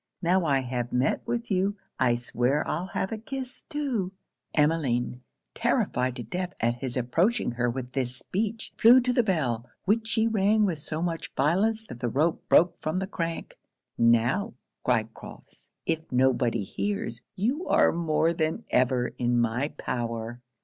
Now I have met with you I swear I'll have a kiss too.' Emmeline, terrified to death at his approaching her with this speech, flew to the bell, which she rang with so much violence that the rope broke from the crank. 'Now,' cried Crofts, 'if nobody hears, you are more than ever in my power.'